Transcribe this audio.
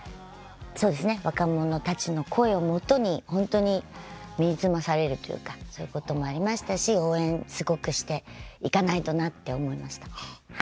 若者たちの声をもとに身をつまされるというかそういうこともありましたし応援すごくしていかないとと思いました。